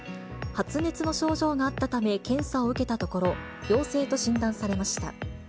発熱の症状があったため検査を受けたところ、陽性と診断されました。